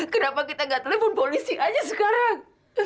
kenapa kita tidak telepon polisi saja sekarang